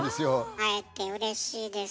会えてうれしいです。